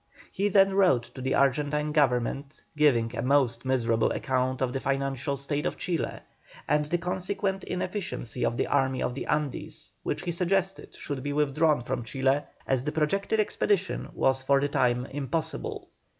He then wrote to the Argentine Government, giving a most miserable account of the financial state of Chile, and the consequent inefficiency of the Army of the Andes, which he suggested should be withdrawn from Chile as the projected expedition was for the time impossible.